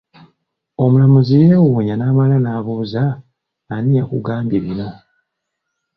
Omulamuzi ye wuunya n'amala na buuza, ani ya kugambye bino?